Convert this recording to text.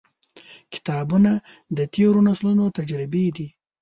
• کتابونه، د تیرو نسلونو تجربې دي.